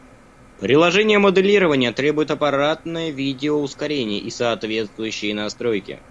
Приложение моделирования требует аппаратное видео-ускорение и соответствующие настройки